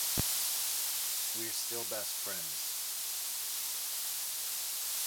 We're still best friends.